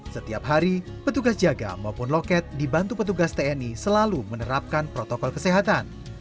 setiap hari petugas jaga maupun loket dibantu petugas tni selalu menerapkan protokol kesehatan